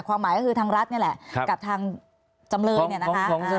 หมายก็คือทางรัฐนี่แหละกับทางจำเลยเนี่ยนะคะ